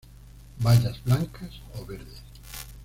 Bayas blancas o verdes.